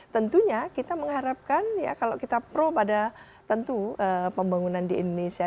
tentunya kita mengharapkan ya kalau kita pro pada tentu pembangunan di indonesia